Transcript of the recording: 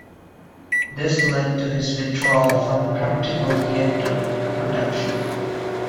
This led to his withdrawal from practical theatre production.